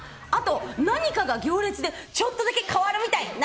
あと、何かが行列でちょっとだけ変わるみたい。